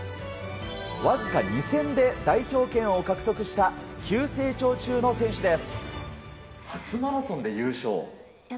わずか２戦で代表権を獲得した急成長中の選手です。